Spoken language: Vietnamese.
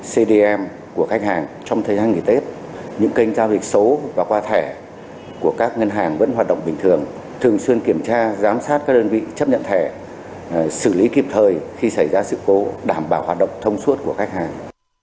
adm của khách hàng trong thời gian nghỉ tết những kênh giao dịch số và qua thẻ của các ngân hàng vẫn hoạt động bình thường thường xuyên kiểm tra giám sát các đơn vị chấp nhận thẻ xử lý kịp thời khi xảy ra sự cố đảm bảo hoạt động thông suốt của khách hàng